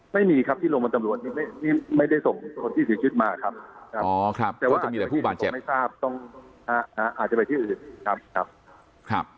ไม่มีครับที่โรงพยาบาลตำรวจนี่ไม่ได้ส่งคนที่เสียชีวิตมาครับแต่ว่าอาจจะไปที่อื่นครับ